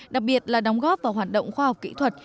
đặc biệt là đóng góp vào hoạt động khoa học kỹ thuật